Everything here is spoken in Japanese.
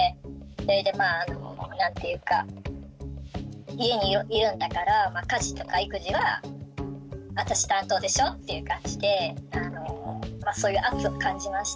それでまあ何ていうか家にいるんだから家事とか育児はあたし担当でしょっていう感じでそういう圧を感じましたね。